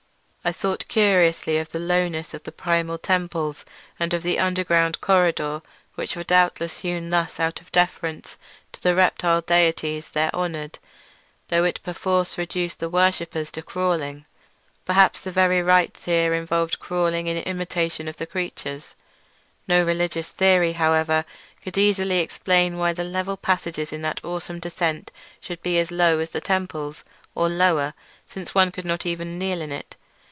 I thought curiously of the lowness of the primal temples and of the underground corridor, which were doubtless hewn thus out of deference to the reptile deities there honoured; though it perforce reduced the worshippers to crawling. Perhaps the very rites had involved a crawling in imitation of the creatures. No religious theory, however, could easily explain why the level passage in that awesome descent should be as low as the temples—or lower, since one could not even kneel in it.